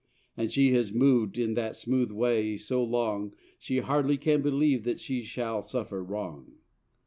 And she has mov'd in that smooth way so long, She hardly can believe that she shall suffer wrong.